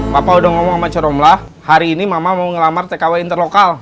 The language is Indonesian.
bapak udah ngomong sama ceromlah hari ini mama mau ngelamar tkw interlokal